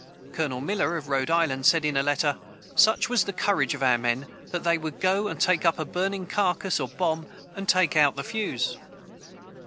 Colonel Miller, of Rhode Island, said in a letter "Such was the courage of our men, that they would go and take up a burning carcass or bomb, and take out the fuse!"